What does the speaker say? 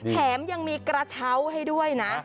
แถมยังมีกระเช้าให้ด้วยนะ